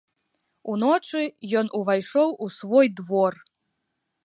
Уночы ён увайшоў у свой двор.